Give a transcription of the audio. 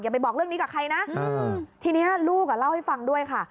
ไปบอกเรื่องนี้กับใครนะทีนี้ลูกอ่ะเล่าให้ฟังด้วยค่ะ